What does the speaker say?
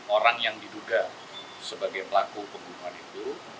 orang yang diduga sebagai pelaku pembunuhan itu